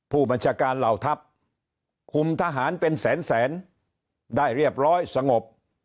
ผู้บัญชาการเหล่าทัพคุมทหารเป็นแสนแสนได้เรียบร้อยสงบ